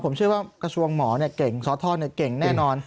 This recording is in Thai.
ผมเชื่อว่ากระทรวงหมอเก่งสทเก่งแน่นอน